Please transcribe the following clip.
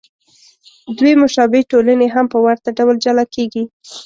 دوې مشابه ټولنې هم په ورته ډول جلا کېږي.